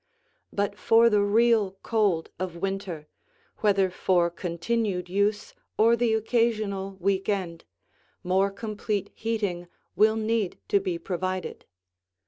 But for the real cold of winter, whether for continued use or the occasional week end, more complete heating will need to be provided.